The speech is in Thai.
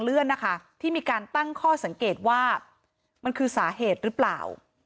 เลื่อนนะคะที่มีการตั้งข้อสังเกตว่ามันคือสาเหตุหรือเปล่า